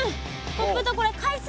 コップとこれ海水。